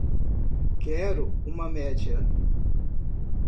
Quero uma média